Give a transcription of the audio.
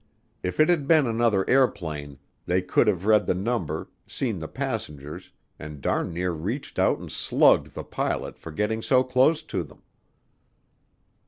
If it had been another airplane, they could have read the number, seen the passengers, and darn near reached out and slugged the pilot for getting so close to them.